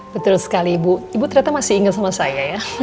betul sekali ibu ibu ternyata masih ingat sama saya ya